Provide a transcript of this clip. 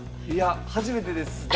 いや初めてです。